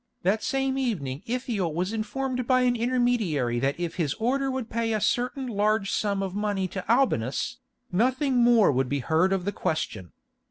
That same evening Ithiel was informed by an intermediary that if his Order would pay a certain large sum of money to Albinus, nothing more would be heard of the question.